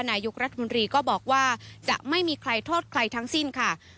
นายกรัฐมนตรีก็บอกว่าจะไม่มีใครโทษใครทั้งสิ้นค่ะ